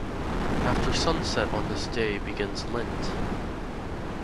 After sunset on this day begins Lent.